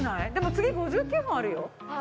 次５９分あるよ。